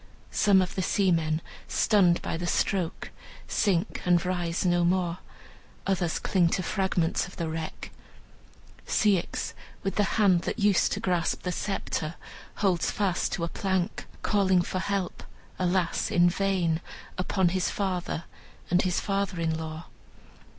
Some of the seamen, stunned by the stroke, sink, and rise no more; others cling to fragments of the wreck. Ceyx, with the hand that used to grasp the sceptre, holds fast to a plank, calling for help, alas, in vain, upon his father and his father in law.